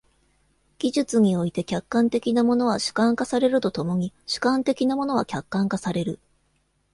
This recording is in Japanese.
技術において、客観的なものは主観化されると共に主観的なものは客観化される。